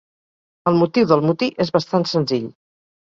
El motiu del motí és bastant senzill.